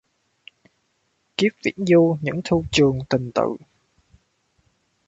Kiếp viễn du những thu trường tình tự